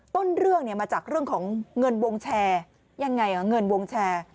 ต้นเรื่องเนี่ยมาจากเรื่องของเงินวงแชร์ยังไงเงินวงแชร์